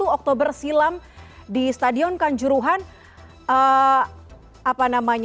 satu oktober silam di stadion kanjuruhan